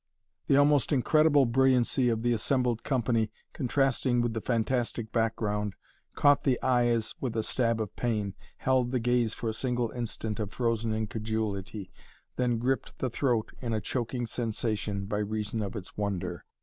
The almost incredible brilliancy of the assembled company, contrasting with the fantastic background, caught the eye as with a stab of pain, held the gaze for a single instant of frozen incredulity, then gripped the throat in a choking sensation by reason of its wonder.